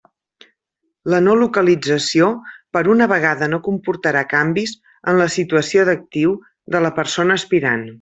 La no localització per una vegada no comportarà canvis en la situació d'actiu de la persona aspirant.